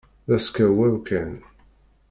D askeɛwew kan!